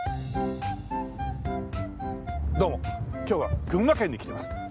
今日は群馬県に来てます。